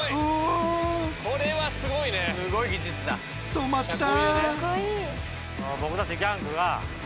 止まった。